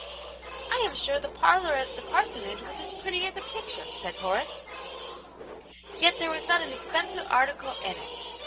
" I am sure the parlour at the parsonage was as pretty as a picture," said Horace. " Yet there is not an expensive article in it.